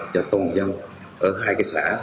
cho tôn dân ở hai cái xã